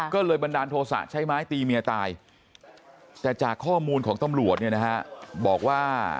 ก็เลยบันดาลโทษะใช้ไม้ตีเมียตายแต่จากข้อมูลของตำรวจเนี่ยนะฮะบอกว่า